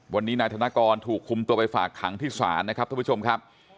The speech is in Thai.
วันนี้นายธนกรถูกคุมตัวไปฝากขังที่ศาลนะครับท่านผู้ชมครับ